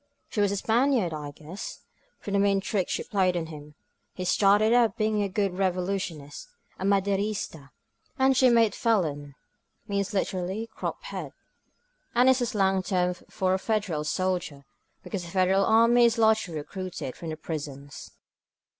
She was a Spaniard, I guess, from the mean trick she played on him. He started out being a good Revolu tionist, a Maderista, and she made him a p^lonF* Felon means literally ^^cropped head,'' and is the slang term for a Federal soldier, because the Federal army is largely recruited from the prisons.